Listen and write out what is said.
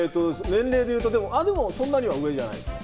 年齢でいうと、そんなに上じゃないです。